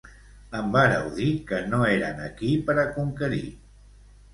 Em vàreu dir que no eren aquí per a conquerir.